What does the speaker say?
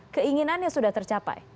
keinginannya sudah tercapai